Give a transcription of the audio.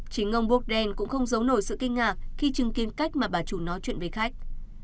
chính ông borrell cũng không giấu nổi sự kinh ngạc khi chứng kiến cách mà bà chủ nói chuyện với khách